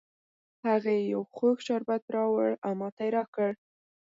هغې یو خوږ شربت راوړ او ماته یې را کړ